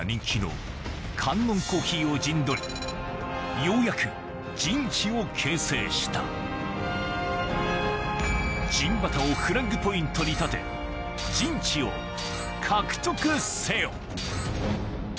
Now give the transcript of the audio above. カンノンコーヒーを陣取りようやく陣地を形成した陣旗をフラッグポイントに立て陣地を獲得せよ！